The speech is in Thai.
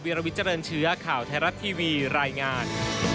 วิววิจารณเชื้อข่าวไทยรัฐทีวีรายงาน